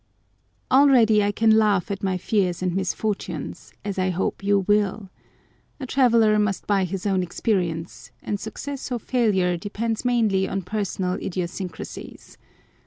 Already I can laugh at my fears and misfortunes, as I hope you will. A traveller must buy his own experience, and success or failure depends mainly on personal idiosyncrasies.